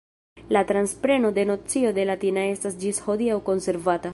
La transpreno de nocio de latina estas ĝis hodiaŭ konservata.